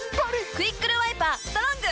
「クイックルワイパーストロング」！